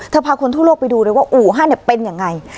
พาคนทั่วโลกไปดูเลยว่าอู่ฮั่นเป็นยังไง